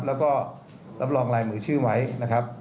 แล้วก็รับรองรายมือชื่อไว้นะครับ